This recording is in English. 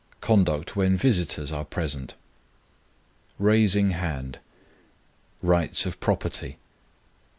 _ Conduct when visitors are present. Raising hand. _Rights of property.